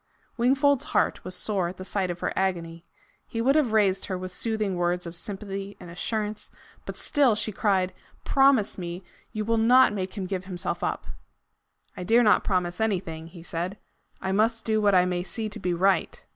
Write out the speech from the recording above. Wingfold's heart was sore at sight of her agony. He would have raised her with soothing words of sympathy and assurance, but still she cried, "Promise me you will not make him give himself up." "I dare not promise anything." he said. "I MUST do what I may see to be right.